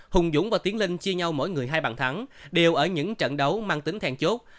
hùng dũng và tiến linh chia nhau mỗi người hai bàn thắng đều ở những trận đấu mang tính then chốt